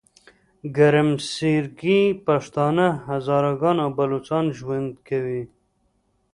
ګرمسیرکې پښتانه، هزاره ګان او بلوچان ژوند کوي.